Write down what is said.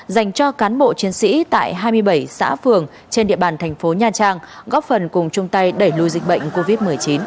dành cho cán bộ chiến sĩ tại hai mươi bảy xã phường trên địa bàn thành phố nha trang góp phần cùng chung tay đẩy lùi dịch bệnh covid một mươi chín